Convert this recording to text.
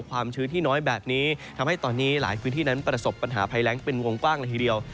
ชื้นที่น้อยแบบนี้ทำให้ตอนนี้หลายพื้นที่นั้นประสบปัญหาภัยแรงเป็นวงกว้างละทีเดียว